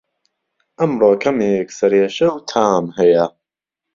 ئەمڕۆ کەمێک سەرئێشه و تام هەیە